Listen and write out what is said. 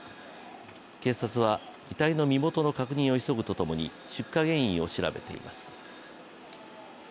警察は遺体の身元の確認を急ぐとともに出火原因を調べています。